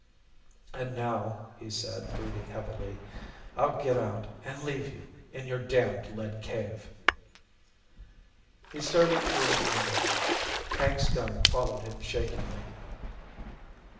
"And now," he said, breathing heavily, "I'll get out and leave you in your damned lead cave." He started toward the window. Hank's gun followed him shakingly.